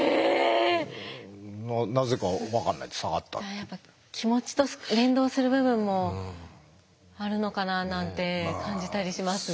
やっぱ気持ちと連動する部分もあるのかななんて感じたりしますが。